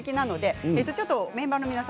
メンバーの皆さん